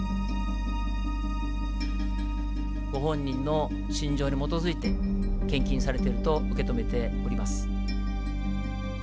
ご本人の信条に基づいて、献金されていると受け止めております。